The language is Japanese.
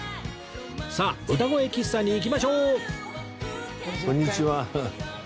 さあうたごえ喫茶に行きましょう！